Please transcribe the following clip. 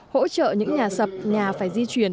hỗ trợ những nhà sập nhà phải di chuyển